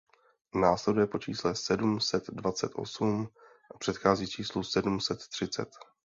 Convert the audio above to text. Následuje po čísle sedm set dvacet osm a předchází číslu sedm set třicet.